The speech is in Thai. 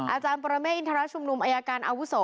อาจารย์ปรเมฆอินทรชุมนุมอายการอาวุโส